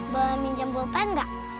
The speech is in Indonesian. boleh minjem bulpen gak